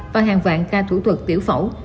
và hàng vạn ca thủ thuật tiểu phẫu